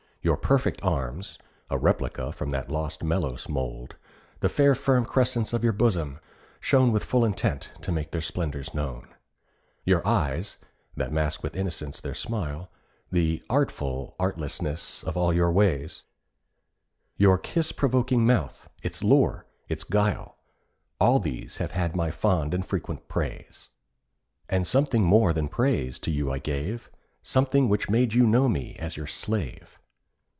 Your perfect arms (A replica from that lost Melos mould), The fair firm crescents of your bosom (shown With full intent to make their splendours known), Your eyes (that mask with innocence their smile), The (artful) artlessness of all your ways, Your kiss provoking mouth, its lure, its guile— All these have had my fond and frequent praise. And something more than praise to you I gave— Something which made you know me as your slave.